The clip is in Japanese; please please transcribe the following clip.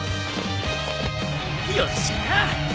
よっしゃ！